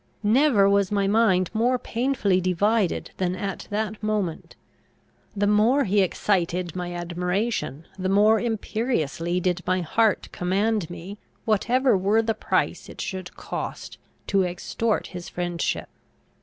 Never was my mind more painfully divided than at that moment. The more he excited my admiration, the more imperiously did my heart command me, whatever were the price it should cost, to extort his friendship.